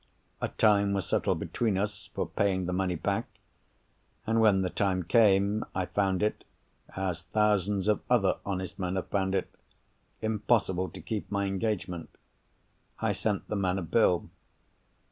A time was settled between us for paying the money back; and when the time came, I found it (as thousands of other honest men have found it) impossible to keep my engagement. I sent the man a bill.